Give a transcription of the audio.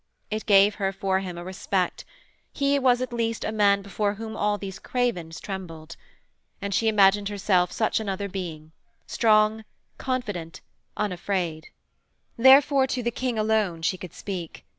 It gave her for him a respect: he was at least a man before whom all these cravens trembled. And she imagined herself such another being: strong, confident, unafraid. Therefore to the King alone she could speak.